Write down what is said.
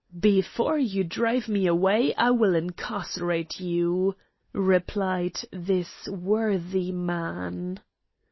"Before you drive me away I will incarcerate you," replied this worthy man.